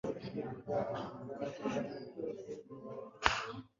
Ah Ibyo munsi yububiko butagira umupaka